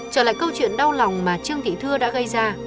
trở lại câu chuyện đau lòng mà trương thị thưa đã gây ra